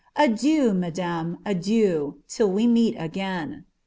"Adieu, madame. adieu, till we meet again."